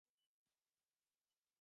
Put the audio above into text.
তিনি আইন ব্যবসা শুরু করেন।